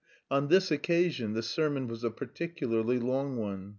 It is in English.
On this occasion the sermon was a particularly long one.